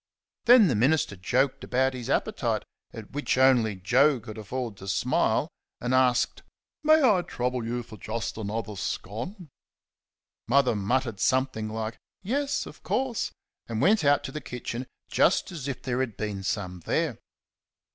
Then the minister joked about his appetite at which only Joe could afford to smile and asked, "May I trouble you for just another scone?" Mother muttered something like "Yes, of course," and went out to the kitchen just as if there had been some there.